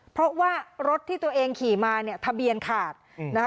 เพราะว่ารถที่ตัวเองขี่มาเนี่ยทะเบียนขาดนะคะ